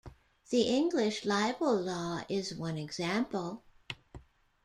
The English libel law is one example.